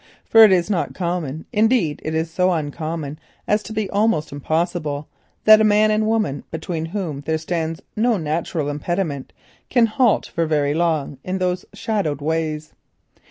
For it is not common, indeed, it is so uncommon as to be almost impossible, that a man and woman between whom there stands no natural impediment can halt for very long in those shadowed ways.